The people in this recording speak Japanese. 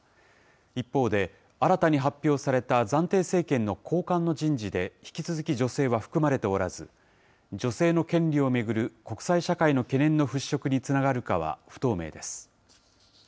一方で、新たに発表された暫定政権の高官の人事で引き続き女性は含まれておらず、女性の権利を巡る国際社会の懸念の払拭につながるかは不透明です。